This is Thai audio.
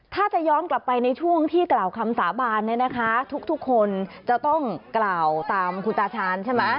ถ้าจะย้อนกลับไปในช่วงที่กล่าวคำสาบานเนี่ยนะคะทุกคนจะต้องกล่าวตามคุณตาชาญใช่ไหม